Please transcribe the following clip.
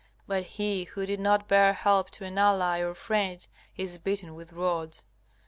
But he who did not bear help to an ally or friend is beaten with rods.